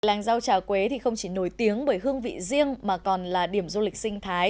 làng rau trà quế không chỉ nổi tiếng bởi hương vị riêng mà còn là điểm du lịch sinh thái